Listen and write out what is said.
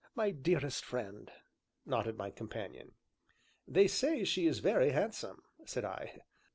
"My dearest friend," nodded my companion. "They say she is very handsome," said I.